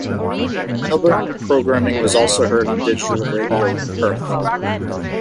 Melbourne programming was also heard on digital radio in Perth.